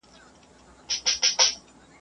o خوريی چي جوړوي، د ماما سر ورته کښېږدي.